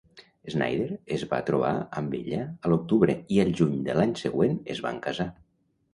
Snider es va trobar amb ella a l'octubre i al juny de l'any següent es van casar.